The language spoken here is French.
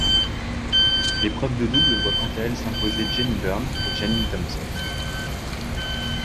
L'épreuve de double voit quant à elle s'imposer Jenny Byrne et Janine Thompson.